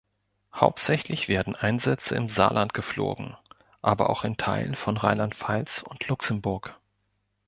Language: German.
Hauptsächlich werden Einsätze im Saarland geflogen, aber auch in Teilen von Rheinland-Pfalz und Luxemburg.